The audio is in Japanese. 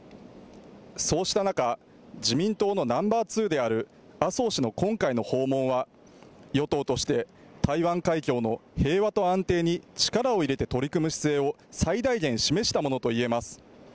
そうした中、自民党のナンバー２である麻生氏の今回の訪問は与党として台湾海峡の平和と安定に力を入れて取り組む姿勢を最大限示したものといえます。